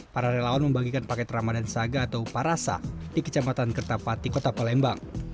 para relawan membagikan paket ramadan saga atau parasa di kecamatan kertapati kota palembang